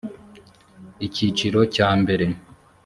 icyiciro cya mbere